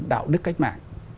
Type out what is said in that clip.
đạo đức cách mạng